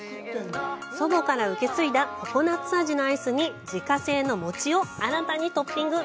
祖母から受け継いだココナッツ味のアイスに自家製の餅を新たにトッピング。